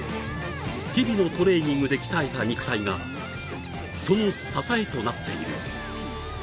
日々のトレーニングで鍛えた肉体が、その支えとなっている。